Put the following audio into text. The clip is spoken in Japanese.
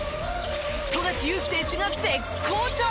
富樫勇樹選手が絶好調！